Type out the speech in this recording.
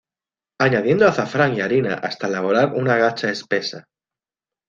Añadiendo azafrán y harina hasta elaborar una gacha espesa.